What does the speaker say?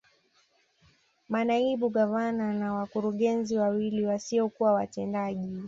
Manaibu Gavana na wakurugenzi wawili wasiokuwa watendaji